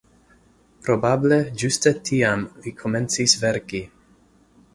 Probable ĝuste tiam li komencis verki.